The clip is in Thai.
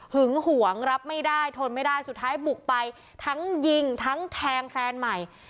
หึงหวงรับไม่ได้ทนไม่ได้สุดท้ายบุกไปทั้งยิงทั้งแทงแฟนใหม่